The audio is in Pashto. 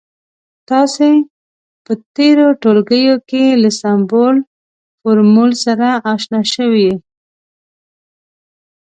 تاسې په تیرو ټولګیو کې له سمبول، فورمول سره اشنا شوي يئ.